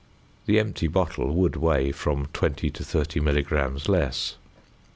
The empty bottle would weigh from 20 to 30 milligrams less.